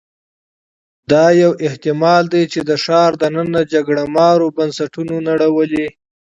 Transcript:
دا یو احتمال دی چې د ښار دننه جګړه مارو بنسټونه نړولي